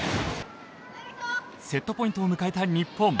セットポイントを迎えた日本。